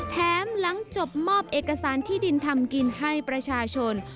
หลังจบมอบเอกสารที่ดินทำกินให้ประชาชน